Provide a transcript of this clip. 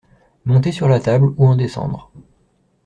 Monter sur la table ou en descendre.